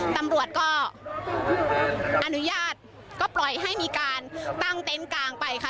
ตำรวจก็อนุญาตก็ปล่อยให้มีการตั้งเต็นต์กลางไปค่ะ